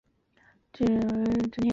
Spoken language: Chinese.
九龙及新界地区电力供应中断数天。